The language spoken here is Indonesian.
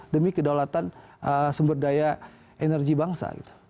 demi kedaulatan sumber daya energi bangsa